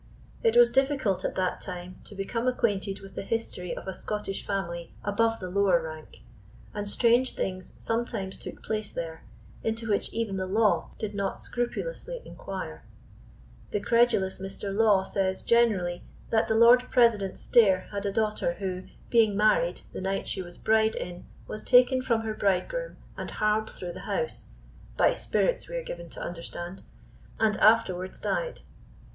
It was difficult at that time to become acquainted with the history of a Scottish family above the lower rank; and strange things sometimes took place there, into which even the law did not scrupulously inquire. The credulous Mr. Law says, generally, that the Lord President Stair had a daughter, who, "being married, the night she was bride in, was taken from her bridegroom and harled through the house (by spirits, we are given to understand) and afterward died.